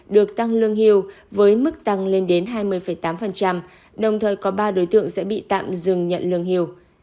được tăng lương hưu với mức tăng lên đến hai mươi tám đồng thời có ba đối tượng sẽ bị tạm dừng nhận lương hưu